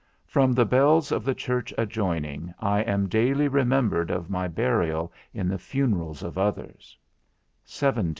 From the bells of the church adjoining, I am daily remembered of my burial in the funerals of others 102 17.